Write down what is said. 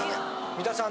三田さん